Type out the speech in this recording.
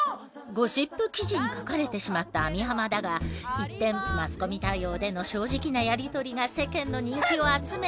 ゴシップ記事に書かれてしまった網浜だが一転マスコミ対応での正直なやり取りが世間の人気を集め。